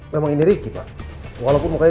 memang ini ricky pak walaupun mukanya